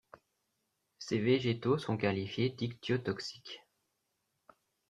Ces végétaux sont qualifiés d'ichtyotoxiques.